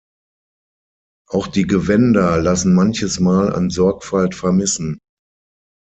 Auch die Gewänder lassen manches Mal an Sorgfalt vermissen.